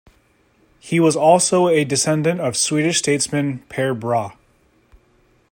He was also a descendant of Swedish statesman Per Brahe.